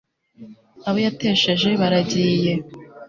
abo yatesheje baragiye